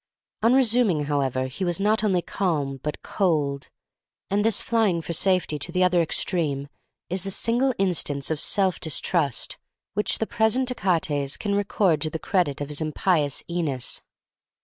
On resuming, however, he was not only calm, but cold; and this flying for safety to the other extreme is the single instance of self distrust which the present Achates can record to the credit of his impious Æneas.